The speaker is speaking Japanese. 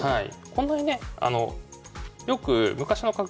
こんなにね。